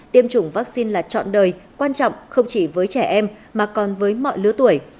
tiêm chủng vaccine là trọn đời quan trọng không chỉ với trẻ em mà còn với mọi lứa tuổi